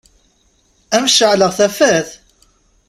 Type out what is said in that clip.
Ad m-ceɛleɣ tafat?